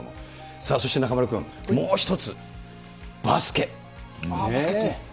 さあそして中丸君、もう１つ、バスケット。